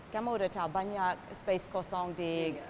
kamu sudah tahu banyak space kosong di